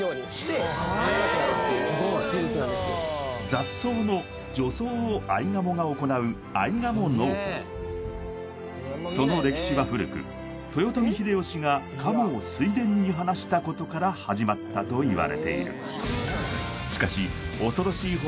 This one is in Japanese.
雑草の除草を合鴨が行うその歴史は古く豊臣秀吉が鴨を水田に放したことから始まったといわれている